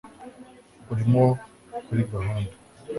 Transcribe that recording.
urimo kuri gahunda